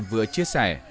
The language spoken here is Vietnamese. vừa chia sẻ